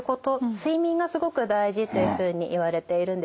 睡眠がすごく大事というふうにいわれているんですね。